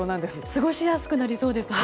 過ごしやすくなりそうですね？